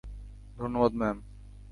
ধন্যবাদ, ম্যাম।